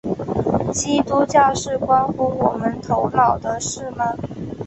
基督教是关乎我们头脑的事吗？